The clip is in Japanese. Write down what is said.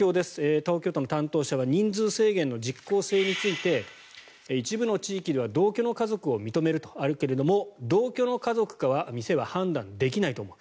東京都の担当者は人数制限の実効性について一部の地域では同居の家族を認めるとあるけれども同居の家族かは店側は判断できないと思うと。